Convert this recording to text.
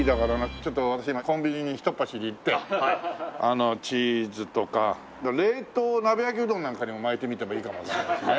ちょっと私今コンビニにひとっ走り行ってあのチーズとか冷凍鍋焼きうどんなんかにも巻いてみてもいいかもわからないですね。